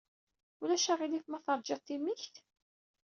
Ulac aɣilif ma teṛjiḍ timikt?